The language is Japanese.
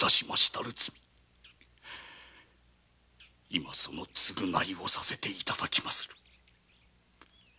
今その償いをさせていただきまする。